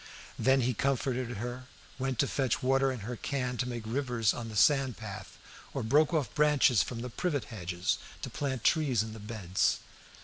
Then he comforted her; went to fetch water in her can to make rivers on the sand path, or broke off branches from the privet hedges to plant trees in the beds.